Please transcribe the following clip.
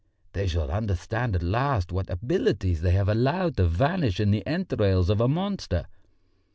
They shall understand at last what abilities they have allowed to vanish in the entrails of a monster.